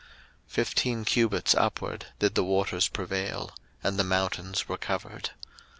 01:007:020 Fifteen cubits upward did the waters prevail; and the mountains were covered.